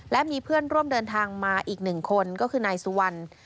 และมีเพื่อนร่วมเดินทางมาอีกหนึ่งคนก็คือนายสุวรรณ